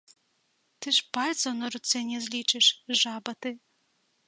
Ты ж пальцаў на руцэ не злічыш, жаба ты!